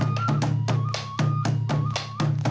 สวัสดีครับ